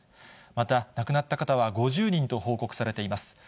また、亡くなった方は５０人と報告されています。